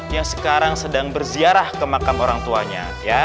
yang sekarang sedang berziarah ke makam orang tuanya